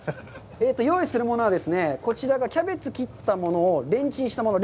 用意するものは、こちらがキャベツ切ったものをレンチンしたもの。